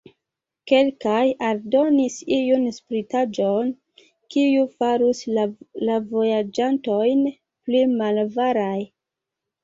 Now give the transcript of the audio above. Kelkaj aldonis iun spritaĵon, kiu farus la vojaĝantojn pli malavaraj.